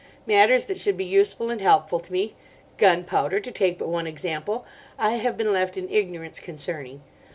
Matters that should be useful and helpful to me—gunpowder, to take but one example—I have been left in ignorance concerning.